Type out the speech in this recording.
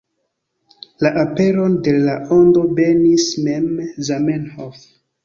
La aperon de La Ondo benis mem Zamenhof.